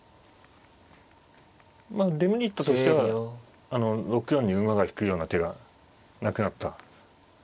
まあデメリットとしては６四に馬が引くような手がなくなった。